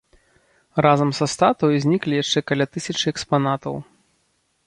Разам са статуяй зніклі яшчэ каля тысячы экспанатаў.